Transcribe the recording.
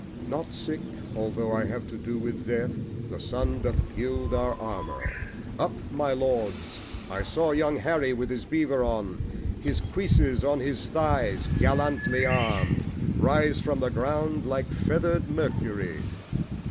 Not sick although I have to do with death The sun doth gild our armour: Up, my Lords! I saw young Harry with his beaver on, His cuisses on his thighs, gallantly arm'd, Rise from the ground like feather'd Mercury.